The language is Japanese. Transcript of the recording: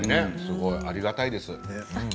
ありがたいです。